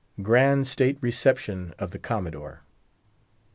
—GRAND STATE RECEPTION OF THE COMMODORE.